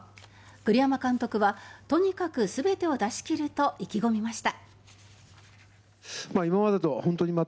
栗山監督はとにかく全てを出し切ると意気込みました。